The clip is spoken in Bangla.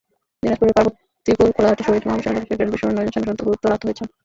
দিনাজপুরের পার্বতীপুর খোলাহাটি শহীদ মাহবুব সেনানিবাসে গ্রেনেড বিস্ফোরণে নয়জন সেনাসদস্য গুরুতর আহত হয়েছেন।